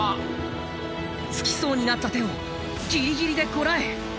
つきそうになった手をギリギリでこらえ。